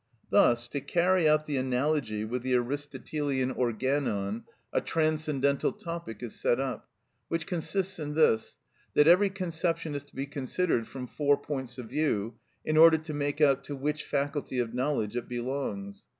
Thus, to carry out the analogy with the Aristotelian Organon, a transcendental Topic is set up, which consists in this, that every conception is to be considered from four points of view, in order to make out to which faculty of knowledge it belongs.